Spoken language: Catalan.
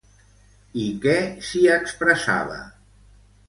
I què s'hi expressava?